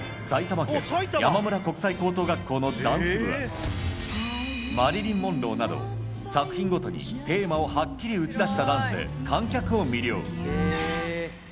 埼玉県山村国際高等学校のダンス部は、マリリン・モンローなど、作品ごとにテーマをはっきり打ち出したダンスで観客を魅了。